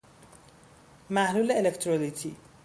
محلول الکترولیتی